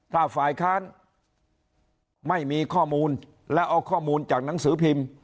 ถ้าฝ่ายค้านไม่มีข้อมูลและเอาข้อมูลจากหนังสือพิมพ์